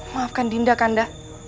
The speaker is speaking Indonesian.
maafkan dinda kanda